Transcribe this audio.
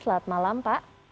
selamat malam pak